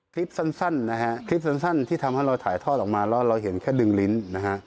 คลิปสั้นนะฮะคลิปสั้นที่ทำให้เราถ่ายทอดออกมาแล้วเราเห็นแค่ดึงลิ้นนะฮะ